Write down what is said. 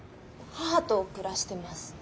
母と暮らしてます。